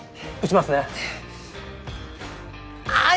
はい。